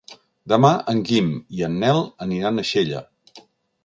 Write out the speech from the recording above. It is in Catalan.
Demà en Guim i en Nel aniran a Xella.